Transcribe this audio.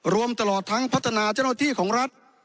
รวมตลอดทั้งพัฒนาเจ้าหน้าที่ของรัฐ